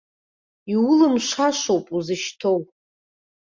Иулымшашоуп узышьҭоу!